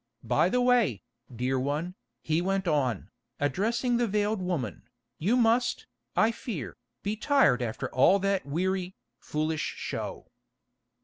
By the way, dear one," he went on, addressing the veiled woman, "you must, I fear, be tired after all that weary, foolish show."